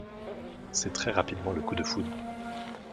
C'est très rapidement le coup de foudre.